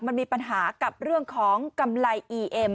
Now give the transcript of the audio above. มันมีปัญหากับเรื่องของกำไรอีเอ็ม